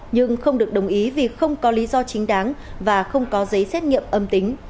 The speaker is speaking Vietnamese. nhưng không được đồng ý vì không có lý do chính đáng và không có giấy xét nghiệm âm tính